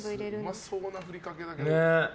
うまそうなふりかけだけどな。